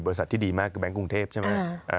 บริษัทที่ดีมากคือแบงค์กรุงเทพใช่มั้ย